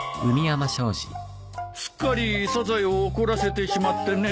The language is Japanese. すっかりサザエを怒らせてしまってね。